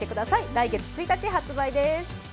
来月１日発売です。